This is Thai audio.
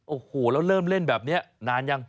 โอ้โหแล้วเริ่มเล่นแบบนี้นานยัง